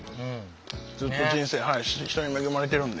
ずっと人生人に恵まれてるんで。